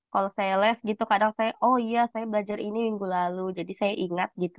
kalau saya live gitu kadang saya oh iya saya belajar ini minggu lalu jadi saya ingat gitu